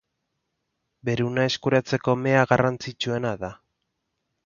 Beruna eskuratzeko mea garrantzitsuena da.